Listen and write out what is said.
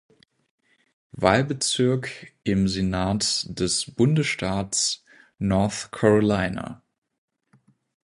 Wahlbezirk im Senat des Bundesstaates North Carolina.